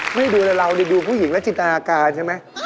ไม่ดูแลเรานี่ดูผู้หญิงและจินตนาการใช่ไหม